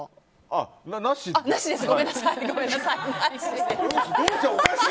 なしです。